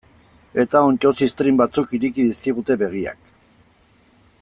Eta onddo ziztrin batzuek ireki dizkigute begiak.